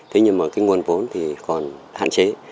thế nhưng mà cái nguồn vốn thì còn hạn chế